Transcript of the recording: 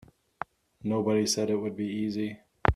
Nobody said it would be easy.